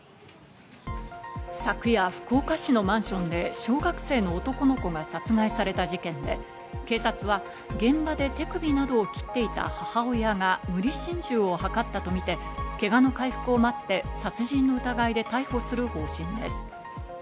昨夜、福岡市のマンションで小学生の男の子が殺害された事件で、警察は現場で手首などを切っていた母親が無理心中を図ったとみて、けがの回復を待って殺人の疑いで逮捕する方針です。